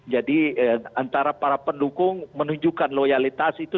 jadi antara para pendukung menunjukkan loyalitas itu